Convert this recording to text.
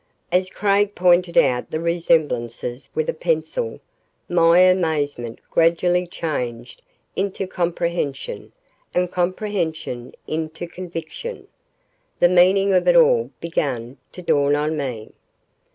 As Craig pointed out the resemblances with a pencil, my amazement gradually changed into comprehension and comprehension into conviction. The meaning of it all began to dawn on me.